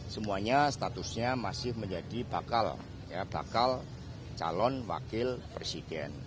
semuanya statusnya masih menjadi bakal calon wakil presiden